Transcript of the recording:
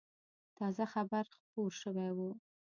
تازه خبر خپور شوی و.